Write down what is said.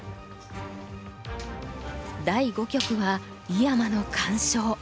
第五局は井山の完勝。